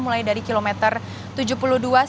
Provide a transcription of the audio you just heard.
mulai dari kilometer tujuh puluh dua